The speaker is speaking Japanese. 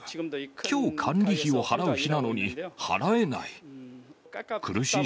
きょう、管理費を払う日なのに払えない。